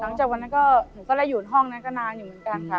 จากวันนั้นก็หนูก็ได้อยู่ห้องนั้นก็นานอยู่เหมือนกันค่ะ